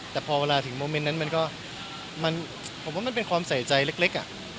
แต่พอเวลาถึงโมเมนต์นั้นมันก็ผมว่ามันเป็นความใส่ใจเล็ก